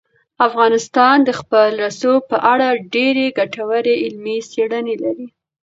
افغانستان د خپل رسوب په اړه ډېرې ګټورې علمي څېړنې لري.